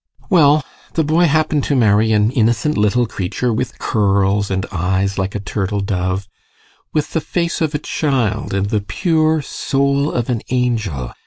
GUSTAV. Well, the boy happened to marry an innocent little creature with curls, and eyes like a turtle dove; with the face of a child and the pure soul of an angel.